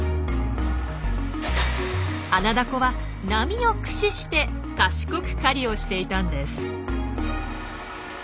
アナダコは波を駆使して賢く狩りをしていたんです。